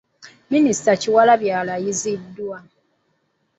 Minisita Kyewalabye alayiziddwa.